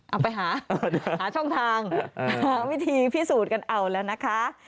เอาไปหาหาช่องทางหาวิธีพิสูจน์กันเอาแล้วนะคะ